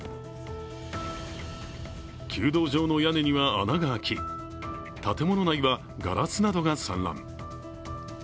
弓道場の屋根には穴が開き建物内はガラスなどが散乱。